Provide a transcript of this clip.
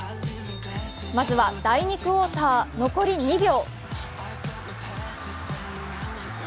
まずは第２クオーター残り２秒。